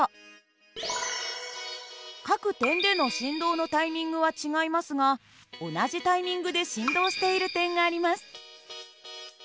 各点での振動のタイミングは違いますが同じタイミングで振動している点があります。